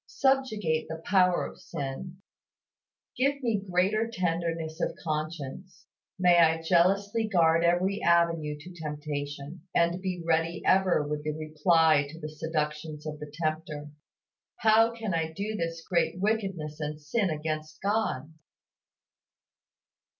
Subjugate the power of sin. Give me greater tenderness of conscience; may I jealously guard every avenue to temptation, and be ready ever with the reply to the seductions of the tempter, "How can I do this great wickedness and sin against God?"